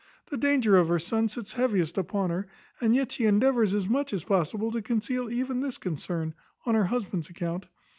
The danger of her son sits heaviest upon her, and yet she endeavours as much as possible to conceal even this concern, on her husband's account.